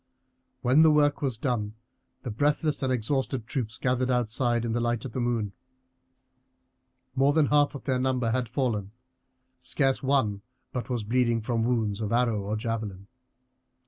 When the work was done the breathless and exhausted troops gathered outside, in the light of the moon. More than half their number had fallen; scarce one but was bleeding from wounds of arrow or javelin.